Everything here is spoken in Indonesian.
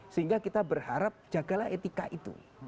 sehingga kita berharap jagalah etika itu